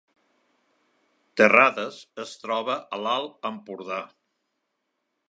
Terrades es troba a l’Alt Empordà